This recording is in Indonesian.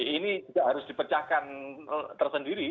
ini harus dipecahkan tersendiri